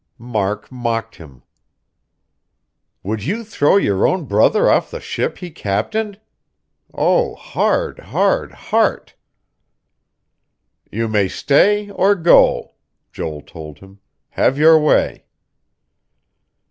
Mark mocked him. "Would you throw your own brother off the ship he captained?... Oh hard, hard heart...." "You may stay, or go," Joel told him. "Have your way."